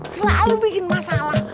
selalu bikin masalah